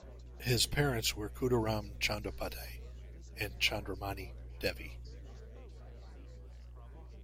His parents were Khudiram Chattopadhyay and Chandramani Devi.